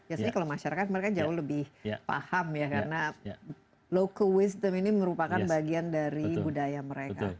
biasanya kalau masyarakat mereka jauh lebih paham ya karena local wisdom ini merupakan bagian dari budaya mereka